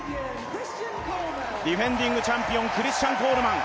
ディフェンディングチャンピオン、クリスチャン・コールマン。